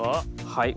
はい。